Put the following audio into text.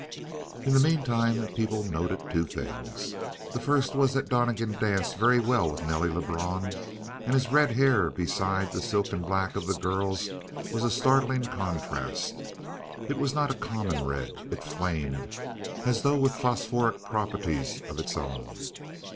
In the meantime people noted two things. The first was that Donnegan danced very well with Nelly Lebrun; and his red hair beside the silken black of the girl's was a startling contrast. It was not a common red. It flamed, as though with phosphoric properties of its own.